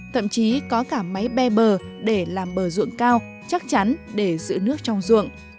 thậm chí có cả máy be bờ để làm bờ ruộng cao chắc chắn để giữ nước trong ruộng